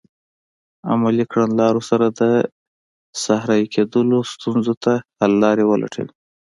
عملي کړنلارو سره د صحرایې کیدلو ستونزو ته حل لارې ولټوي.